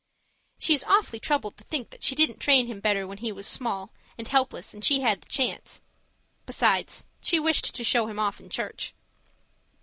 She is awfully troubled to think that she didn't train him better when he was small and helpless and she had the chance. Besides she wished to show him off in church.